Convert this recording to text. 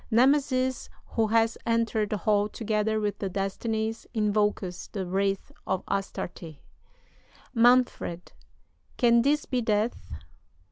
Nemesis, who has entered the hall together with the Destinies, invokes the wraith of Astarte: "MANFRED. Can this be death?